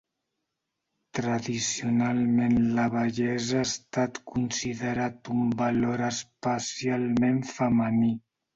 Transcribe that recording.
Tradicionalment la bellesa ha estat considerat un valor especialment femení.